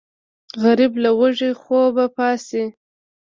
غریب له وږي خوبه پاڅي